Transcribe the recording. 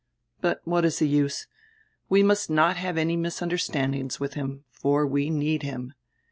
But what is the use? We must not have any misunderstandings with him, for we need him.